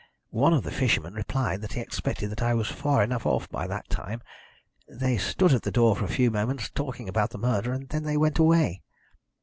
One of the fishermen replied that he expected that I was far enough off by that time. They stood at the door for a few moments, talking about the murder, and then they went away.